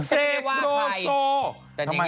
เสกโรโซไม่ได้ว่างใคร